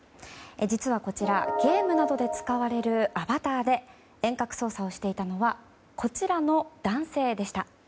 実はこちらゲームなどで使われるアバターで遠隔操作をしていたのはこちらの男性でした。